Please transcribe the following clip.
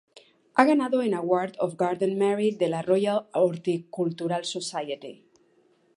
Ha ganado el Award of Garden Merit de la Royal Horticultural Society.